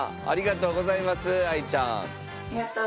ありがとうございます。